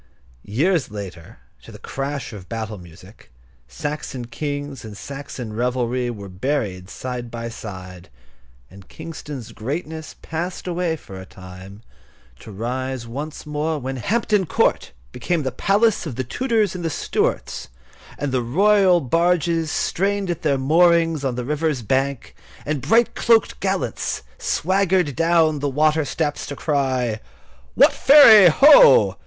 Years later, to the crash of battle music, Saxon kings and Saxon revelry were buried side by side, and Kingston's greatness passed away for a time, to rise once more when Hampton Court became the palace of the Tudors and the Stuarts, and the royal barges strained at their moorings on the river's bank, and bright cloaked gallants swaggered down the water steps to cry: "What Ferry, ho!